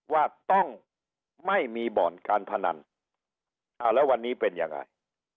ว่าต้องไม่มีบ่อนการพนันอ่าแล้ววันนี้เป็นยังไง